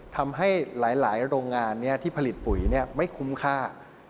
ทำให้หลายโรงงานที่ผลิตปุ๋ยไม่คุ้มค่า